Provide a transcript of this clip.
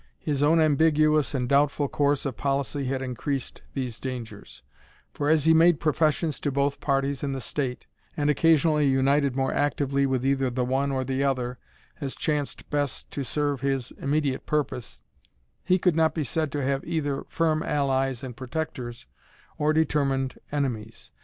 His own ambiguous and doubtful course of policy had increased these dangers; for as he made professions to both parties in the state, and occasionally united more actively with either the one or the other, as chanced best to serve his immediate purpose, he could not be said to have either firm allies and protectors, or determined enemies.